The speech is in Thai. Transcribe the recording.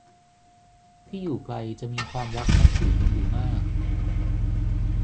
ที่อยู่ไกลจะมีความรักนับถือกันอยู่มาก